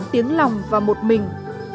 tiếng lòng và một mình